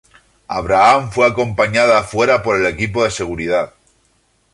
Abraham fue acompañada afuera por el equipo de seguridad.